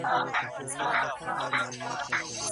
لومړی جواب د رسول الله دغه مبارک حديث دی.